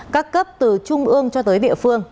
các cấp từ trung ương cho tới địa phương